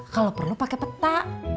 kalau perlu pakai peta